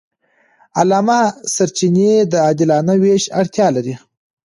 عامه سرچینې د عادلانه وېش اړتیا لري.